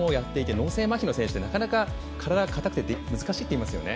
脳性まひの選手ってなかなか体が硬くて難しいといいますよね。